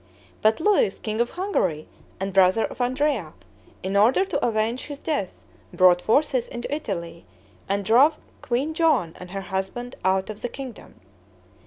But Louis, king of Hungary, and brother of Andrea, in order to avenge his death, brought forces into Italy, and drove Queen Joan and her husband out of the kingdom.